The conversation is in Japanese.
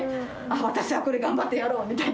私はこれ頑張ってやろう！みたいな。